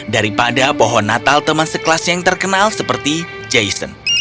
daripada pohon natal teman sekelasnya yang terkenal seperti jason